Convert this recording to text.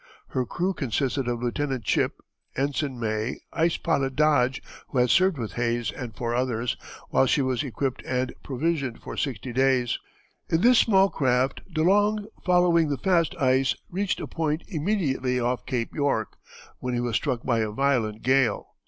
Her crew consisted of Lieutenant Chipp, Ensign May, ice pilot Dodge, who had served with Hayes, and four others, while she was equipped and provisioned for sixty days. In this small craft De Long, following the fast ice, reached a point immediately off Cape York, when he was struck by a violent gale.